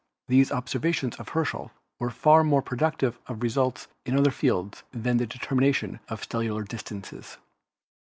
These observations of Herschel were far more productive of results in other fields than the determination of stellar distances.